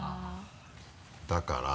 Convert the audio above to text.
だから。